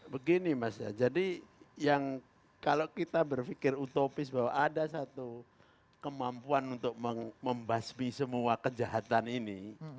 begini mas ya jadi yang kalau kita berpikir utopis bahwa ada satu kemampuan untuk membasmi semua kejahatan ini